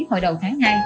hồi đầu tháng hai